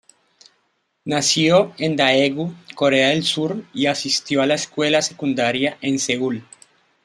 Nació en Daegu, Corea del Sur, y asistió a la escuela secundaria en Seúl.